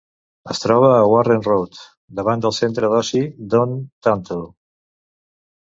Es troba a Warren Road, davant del centre d'oci Don Tantell.